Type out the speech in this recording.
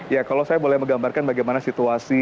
ya kalau saya boleh menggambarkan bagaimana situasi